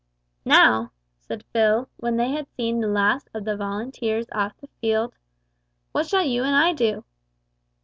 "Now," said Phil, when they had seen the last of the Volunteers off the field, "what shall you and I do?"